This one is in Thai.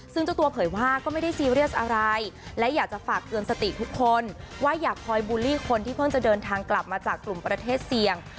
ซึ่งเจ้าตัวเผยว่าก็ไม่ได้ซีเรียสอะไรและอยากจะฝากเตือนสติทุกคนว่าอยากคอยบูลลี่คนที่เพิ่งจะเดินทางกลับมาจากกลุ่มประเทศเสี่ยง